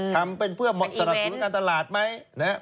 ทำเป็นเพื่อสนับสนุนการตลาดไหม